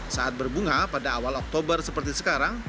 saat berbunga pada awal oktober seperti sekarang